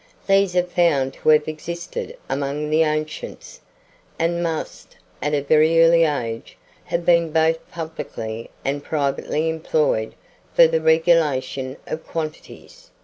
These are found to have existed among the ancients, and must, at a very early age, have been both publicly and privately employed for the regulation of quantities.